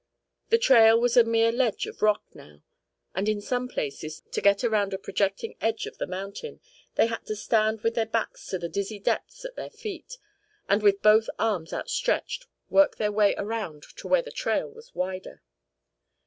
The trail was a mere ledge of rock now, and in some places, to get around a projecting edge of the mountain, they had to stand with their backs to the dizzy depths at their feet, and with both arms outstretched work their way around to where the trail was wider.